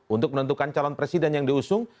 untuk menentukan calon presiden yang diusung